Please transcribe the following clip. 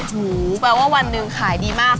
หมูแปลว่าวันหนึ่งขายดีมาก